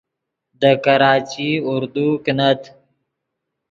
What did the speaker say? دے کراچی اردو کینت